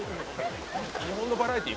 日本のバラエティー？